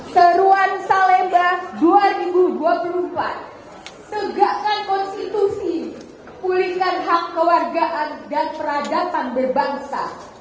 seruan salemba dua ribu dua puluh empat tegakkan konstitusi pulihkan hak kewargaan dan peradaban berbangsa